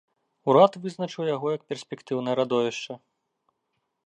Урад вызначыў яго як перспектыўнае радовішча.